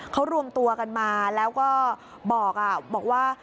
เขารวมตัวกันมาแล้วก็บอกว่า